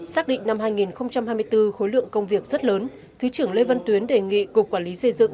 xác định năm hai nghìn hai mươi bốn khối lượng công việc rất lớn thứ trưởng lê văn tuyến đề nghị cục quản lý xây dựng